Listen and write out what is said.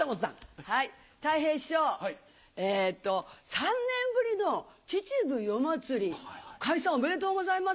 たい平師匠えっと３年ぶりの秩父夜祭開催おめでとうございます。